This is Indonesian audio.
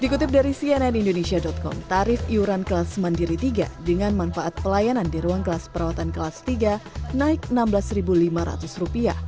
dikutip dari cnn indonesia com tarif iuran kelas mandiri tiga dengan manfaat pelayanan di ruang kelas perawatan kelas tiga naik rp enam belas lima ratus